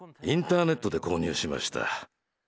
インターネットで購入しました。